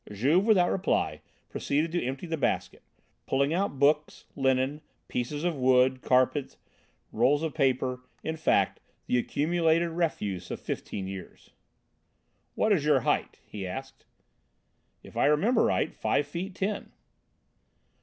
Juve, without reply, proceeded to empty the basket, pulling out books, linen, pieces of wood, carpet, rolls of paper; in fact, the accumulated refuse of fifteen years. "What is your height?" he asked. "If I remember right, five feet ten."